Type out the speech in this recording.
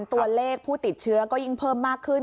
ตัวเลขผู้ติดเชื้อก็ยิ่งเพิ่มมากขึ้น